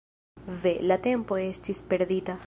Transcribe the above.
Ve, la tempo estis perdita.